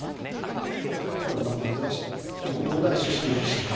彼は何か珍しい東大出身の棋士というね。